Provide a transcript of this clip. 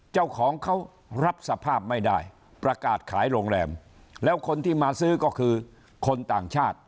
เจ้าของเขารับสภาพไม่ได้ประกาศขายโรงแรมแล้วคนที่มาซื้อก็คือคนต่างชาติ